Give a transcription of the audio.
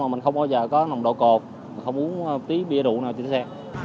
mà mình không bao giờ có nồng độ cột không uống tí bia đủ nào trên xe